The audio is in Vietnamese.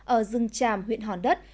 ở rừng tràm huyện hòn đất